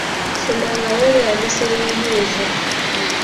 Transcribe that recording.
Soma nga weeyambisa ebibuuzo.